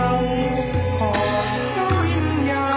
ทรงเป็นน้ำของเรา